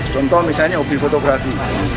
contoh misalnya hobi fotografi